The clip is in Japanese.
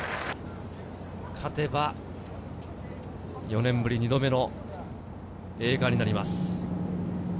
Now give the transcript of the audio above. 勝てば４年ぶり２度目の栄冠になります。